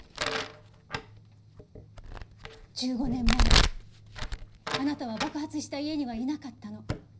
１５年前あなたは爆発した家にはいなかったの。